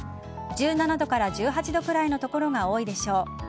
１７度から１８度くらいの所が多いでしょう。